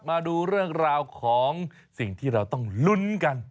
มาดูเรื่องราวของสิ่งที่เราต้องลุ้นกัน